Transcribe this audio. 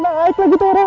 pake naik lagi tuh orang